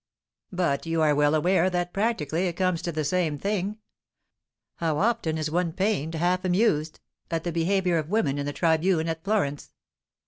"But you are well aware that, practically, it comes to the same thing. How often is one half pained, half amused, at the behaviour of women in the Tribune at Florence!